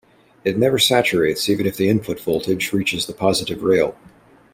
It never saturates even if the input voltage reaches the positive rail.